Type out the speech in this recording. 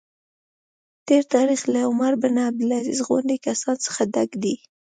تېر تاریخ له عمر بن عبدالعزیز غوندې کسانو څخه ډک دی.